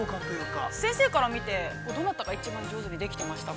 ◆先生から見てどなたが一番上手でしたか。